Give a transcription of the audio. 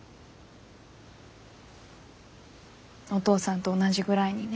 お父さんと同じぐらいにね。